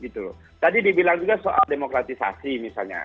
tadi dibilang juga soal demokratisasi misalnya